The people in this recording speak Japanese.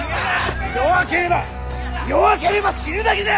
弱ければ弱ければ死ぬだけじゃ！